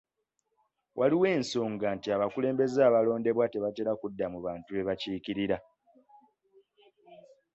Waliwo ensonga nti abakulembeze abalondebwa tebatera kudda mu bantu be bakiikirira.